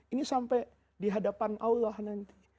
ini sampai dihadapan allah nanti